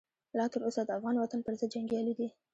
لا تر اوسه د افغان وطن پرضد جنګیالي دي.